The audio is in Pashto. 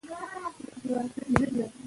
موږ د پښتو د ودې لپاره د زړه له کومې کار کوو.